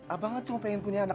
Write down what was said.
abang kan cuma pengen punya anak